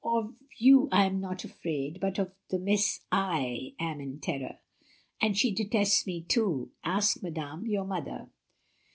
"Of you I am not afraid, but of the Miss I am in terror, and she detests me toa Ask madame your mother.''